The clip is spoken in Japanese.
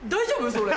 それ。